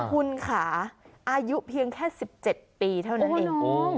คุณขาอายุเพียงแค่สิบเจ็บปีเท่านั้นเองโอ้น้อง